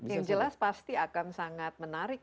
yang jelas pasti akan sangat menarik